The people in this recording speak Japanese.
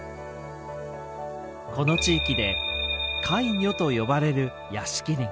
この地域でカイニョと呼ばれる屋敷林。